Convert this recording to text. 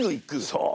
そう。